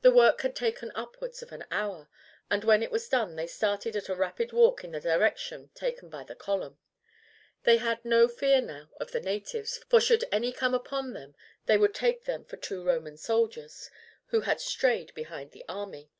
The work had taken upwards of an hour, and when it was done they started at a rapid walk in the direction taken by the column. They had no fear now of the natives, for should any come upon them they would take them for two Roman soldiers who had strayed behind the army.